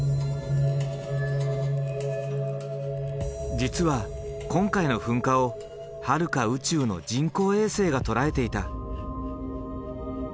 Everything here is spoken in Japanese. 実は今回の噴火をはるか宇宙の人工衛星が捉えていた。